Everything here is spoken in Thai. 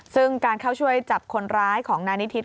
ซึ่งการเข้าช่วยจับคนร้ายของนานิทิน